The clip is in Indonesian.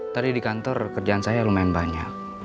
tadi di kantor kerjaan saya lumayan banyak